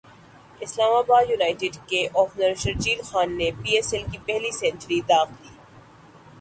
اسلام ابادیونائیٹڈ کے اوپنر شرجیل خان نے P S L کی پہلی سنچری داغ دی